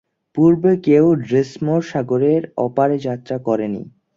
পূর্বে কেউ ড্রেগমোর সাগরের ওপারে যাত্রা করেনি।